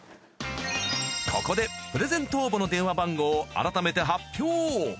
ここでプレゼント応募の電話番号を改めて発表！